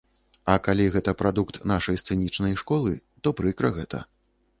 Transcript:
А калі гэта прадукт нашай сцэнічнай школы, то прыкра гэта.